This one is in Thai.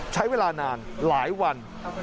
ใช้เวลานานหลายวัน